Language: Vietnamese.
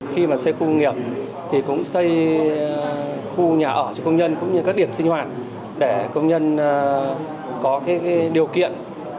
khi xây khu công nghiệp xây khu nhà ở cho công nhân các điểm sinh hoạt để công nhân có điều kiện